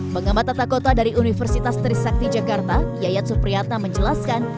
pengambatan kota dari universitas trisakti jakarta yayat supriyata menjelaskan